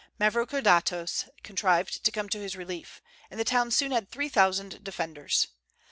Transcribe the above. Mavrokordatos contrived to come to his relief, and the town soon had three thousand defenders.